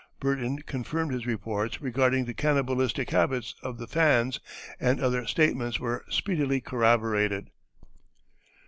Burton confirmed his reports regarding the cannibalistic habits of the Fans, and other statements were speedily corroborated.